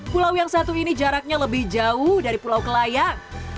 pulau yang satu ini jaraknya lebih jauh dari pulau kelayang